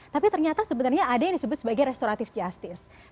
tapi ternyata sebenarnya ada yang disebut sebagai restoratif justice